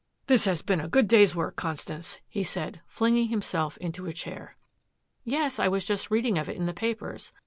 "This has been a good day's work, Constance," he said, flinging himself into a chair. "Yes, I was just reading of it in the papers.